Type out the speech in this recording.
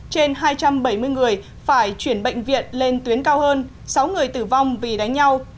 trên hai trăm bảy mươi người phải chuyển bệnh viện lên tuyến cao hơn sáu người tử vong vì đánh nhau